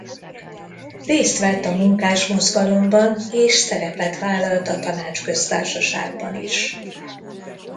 Részt vett a munkásmozgalomban és szerepet vállalt a Tanácsköztársaságban is.